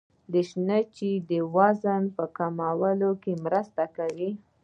شنې چايي د وزن په کمولو کي مرسته کوي.